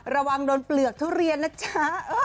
ระวังโดนเปลือกทุเรียนนะจ๊ะ